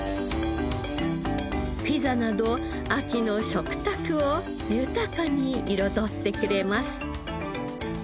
ピザなど秋の食卓を豊かに彩ってくれます。